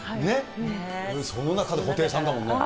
その中で布袋さんだもんね。